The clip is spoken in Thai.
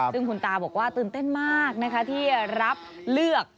ซึ่งคุณตาบอกว่าตื่นเต้นมากนะคะที่รับเลือก